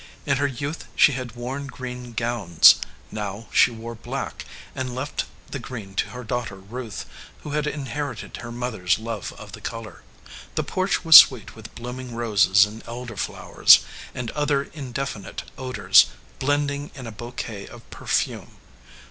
In her youth she had worn green gowns; now she wore black, and left the green to her daughter Ruth, who had inherited her mother s love of the color. The porch was sweet with blooming roses and elder flowers, and other indefinite odors, blending in a bouquet of perfume.